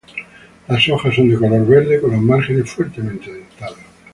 Las hojas son de color verde con los márgenes fuertemente dentados.